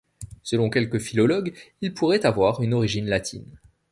Selon quelques philologues il pourrait avoir une origine latine.